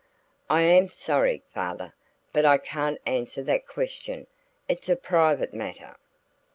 "I am sorry, father, but I can't answer that question. It's a private matter."